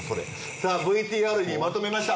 さあＶＴＲにまとめました。